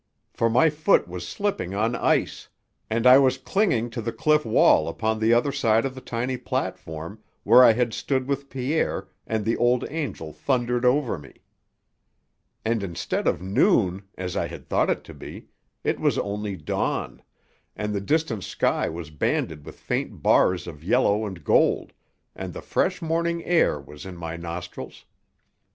For my foot was slipping on ice and I was clinging to the cliff wall upon the other side of the tiny platform, where I had stood with Pierre, and the Old Angel thundered over me. And, instead of noon, as I had thought it to be, it was only dawn, and the distant sky was banded with faint bars of yellow and gold, and the fresh morning air was in my nostrils.